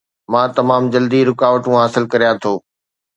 مان تمام جلدي رڪاوٽون حاصل ڪريان ٿو